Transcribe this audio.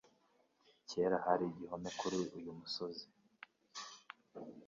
Kera hari igihome kuri uyu musozi.